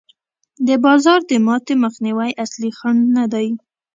د بازار د ماتې مخنیوی اصلي خنډ نه دی.